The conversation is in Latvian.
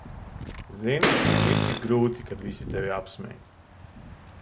Zini, ir tik grūti, kad visi tevi apsmej.